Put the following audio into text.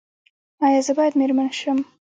ایا زه باید میرمن شم؟